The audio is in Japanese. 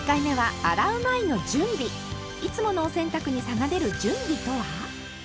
いつものお洗濯に差が出る準備とは？